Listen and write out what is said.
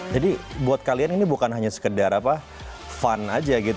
buat kalian ini bukan hanya sekedar fun aja gitu